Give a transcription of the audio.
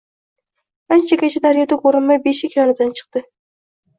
Anchagacha daryoda ko‘rinmay beshik yonidan chiqdi.